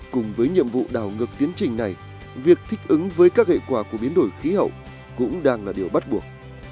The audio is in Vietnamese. cùng với nhiệm vụ đảo ngược tiến trình này việc thích ứng với các hệ quả của biến đổi khí hậu cũng đang là điều bắt buộc